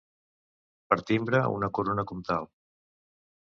Per timbre una corona comtal.